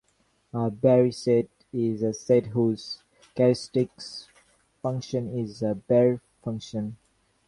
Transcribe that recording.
A Baire set is a set whose characteristic function is a Baire function.